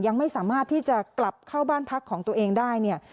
ยังไม่สามารถที่จะกลับเข้าบ้านพักของตัวเองได้เนี่ย